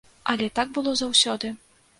Але так было заўсёды.